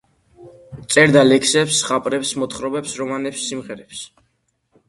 წერდა ლექსებს, ზღაპრებს, მოთხრობებს, რომანებს, სიმღერებს.